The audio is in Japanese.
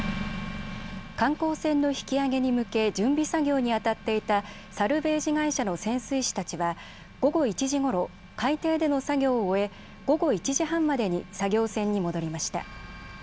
観光船の引き揚げに向け準備作業にあたっていたサルベージ会社の潜水士たちは午後１時ごろ海底での作業を終え午後１時半までに作業船に戻りました。